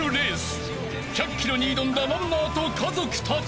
［１００ｋｍに挑んだランナーと家族たち］